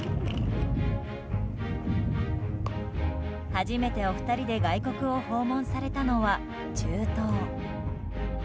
初めてお二人で外国を訪問されたのは、中東。